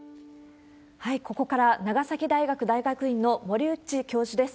ここから、長崎大学大学院の森内教授です。